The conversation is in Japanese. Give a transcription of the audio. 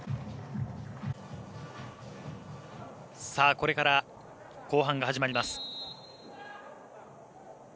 これから、後半が始まります。